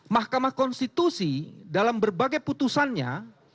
mahkamah konstitusi dalam berbagai putusannya